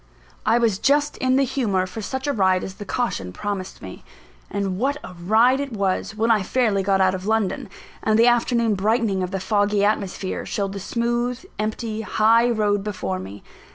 I was just in the humour for such a ride as the caution promised me. And what a ride it was, when I fairly got out of London; and the afternoon brightening of the foggy atmosphere, showed the smooth, empty high road before me!